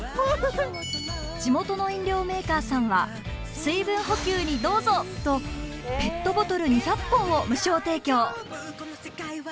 地元の飲料メーカーさんは「水分補給にどうぞ！」とペットボトル２００本を無償提供！